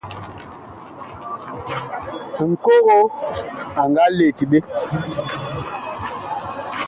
Ŋkogo a nga let ɓe.